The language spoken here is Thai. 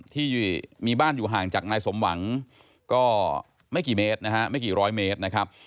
ที่มีบ้านอยู่ห่างจากนายสมหวังก็ไม่กี่เมตรนะฮะไม่กี่ร้อยเมตรนะครับ